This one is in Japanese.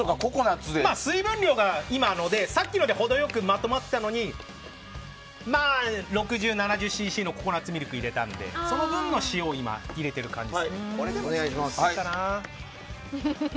水分量がさっきので程良くまとまってたのに６０、７０ｃｃのココナッツミルクを入れたのでその分の塩を入れた感じです。